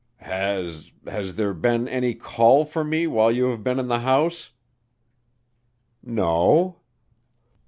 "Has has there been any call for me while you have been in the house?" "No."